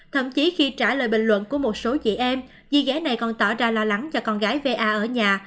thậm chí khi trả lời bình luận của một số chị em chị gái này còn tỏ ra lo lắng cho con gái va ở nhà